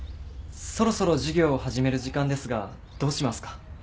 そろそろ授業を始める時間ですがどうしますか？